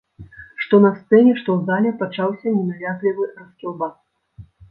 Што на сцэне, што ў зале пачаўся ненавязлівы раскілбас.